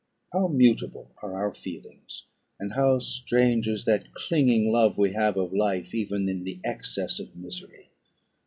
How mutable are our feelings, and how strange is that clinging love we have of life even in the excess of misery!